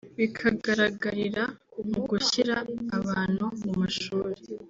bikagaragarira mu gushyira abantu mu mashuri